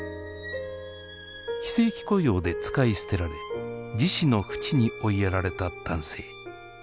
非正規雇用で使い捨てられ自死のふちに追いやられた男性。